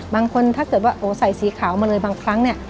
บางคนถ้าเกิดว่าใส่สีขาวมาเลยบางครั้ง